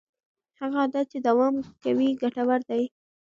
هغه عادت چې دوام کوي ګټور دی.